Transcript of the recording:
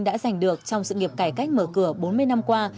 đã giành được trong sự nghiệp cải cách mở cửa bốn mươi năm qua